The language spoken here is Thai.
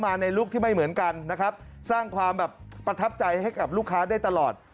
ในลุคที่ไม่เหมือนกันนะครับสร้างความแบบประทับใจให้กับลูกค้าได้ตลอด